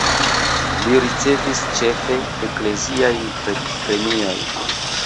Li ricevis ĉefe ekleziajn premiojn.